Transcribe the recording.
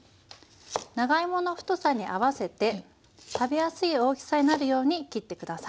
長芋の太さに合わせて食べやすい大きさになるように切って下さい。